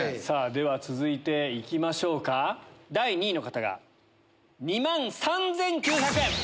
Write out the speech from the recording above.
では続いて行きましょうか第２位の方が２万３９００円。